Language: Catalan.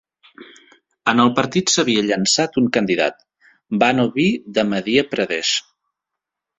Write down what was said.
En el partit s'havia llançat un candidat, Bano Bee de Madhya Pradesh.